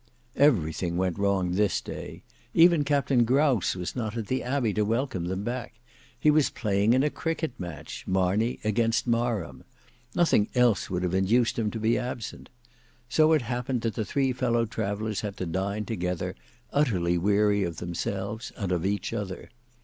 Everything went wrong this day. Even Captain Grouse was not at the Abbey to welcome them back. He was playing in a cricket match, Marney against Marham. Nothing else would have induced him to be absent. So it happened that the three fellow travellers had to dine together, utterly weary of themselves and of each other.